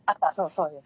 そうです。